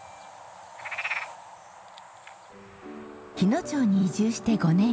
日野町に移住して５年。